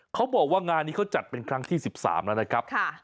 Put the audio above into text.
เขาบอกว่างานนี้เขาจัดเป็นครั้งที่๑๓แล้วนะครับ